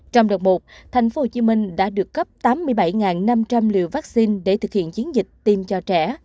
trong đợt một thành phố hồ chí minh đã được cấp tám mươi bảy năm trăm linh liều vaccine để thực hiện chiến dịch tiêm cho trẻ